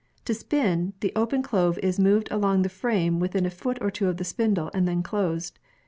To spin, the open clove is moved along the frame within a foot or two of the spindles and then closed.